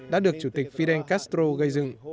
đã được chủ tịch fidel castro gây dựng